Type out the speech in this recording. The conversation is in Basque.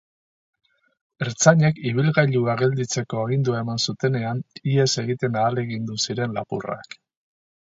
Ertzainek ibilgailua gelditzeko agindua eman zutenean, ihes egiten ahalegindu ziren lapurrak.